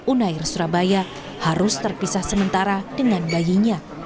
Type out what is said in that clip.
unair surabaya harus terpisah sementara dengan bayinya